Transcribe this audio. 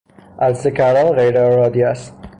عطسه کردن غیر ارادی است.